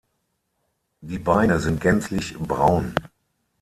Die Beine sind gänzlich braun.